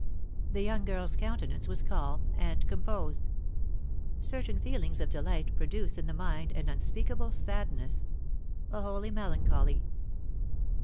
The young girl's countenance was calm and composed. Certain feelings of delight produce in the mind an unspeakable sadness, a holy melancholy.